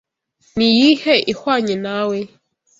Ni iyihe ihwanye nawe?